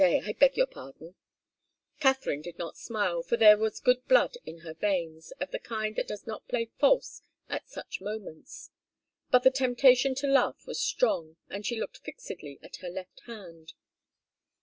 I beg your pardon " Katharine did not smile, for there was good blood in her veins, of the kind that does not play false at such moments. But the temptation to laugh was strong, and she looked fixedly at her left hand.